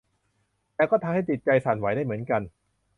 แต่ก็ทำให้จิตใจสั่นไหวได้เหมือนกัน